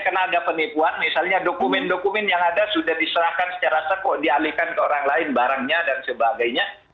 karena ada penipuan misalnya dokumen dokumen yang ada sudah diserahkan secara sepoh dialihkan ke orang lain barangnya dan sebagainya